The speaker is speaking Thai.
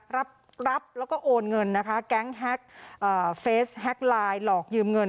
รับรับแล้วก็โอนเงินนะคะแก๊งเฟสแฮ็กไลน์หลอกยืมเงิน